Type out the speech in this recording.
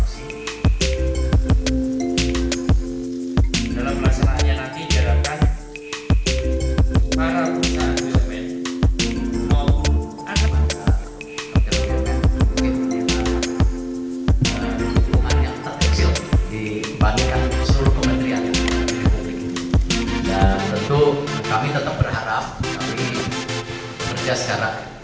kami tetap berharap